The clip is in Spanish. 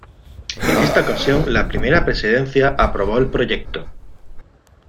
En esta ocasión la Primera Presidencia aprobó el proyecto.